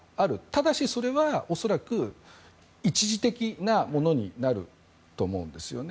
ただし、それは恐らく一時的なものになると思うんですよね。